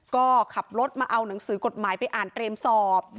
ก็ขับรถมาเอาหนังสือกฎหมายไปอ่านเตรียมสอบ